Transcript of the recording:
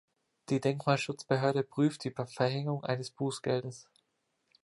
Die Denkmalschutzbehörde prüfte die Verhängung eines Bußgeldes.